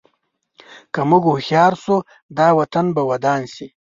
که موږ هوښیار شو، دا وطن به ودان شي.